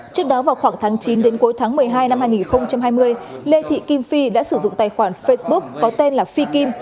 trước đó vào khoảng tháng chín đến cuối tháng một mươi hai năm hai nghìn hai mươi lê thị kim phi đã sử dụng tài khoản facebook có tên là phi kim